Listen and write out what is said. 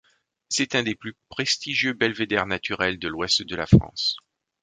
C'est un des plus prestigieux belvédères naturels de l’Ouest de la France.